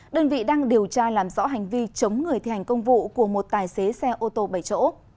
đơn vị đang điều tra làm rõ hành vi chống người thi hành công vụ của một tài xế xe ô tô bảy chỗ